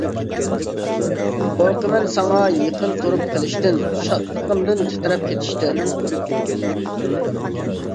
قورقىمەن ساڭا يېقىن تۇرۇپ قېلىشتىن، شادلىقىمدىن تىترەپ كېتىشتىن.